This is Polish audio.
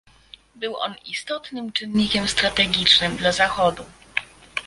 Był on istotnym czynnikiem strategicznym dla Zachodu